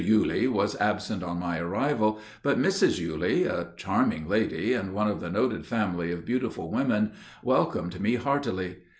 Yulee was absent on my arrival, but Mrs. Yulee, a charming lady, and one of a noted family of beautiful women, welcomed me heartily.